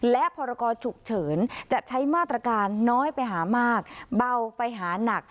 และพรกรฉุกเฉินจะใช้มาตรการน้อยไปหามากเบาไปหานัก